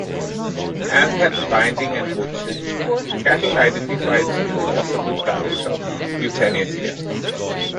As had Binding and Hoche, Catel identified three possible types of euthanasia.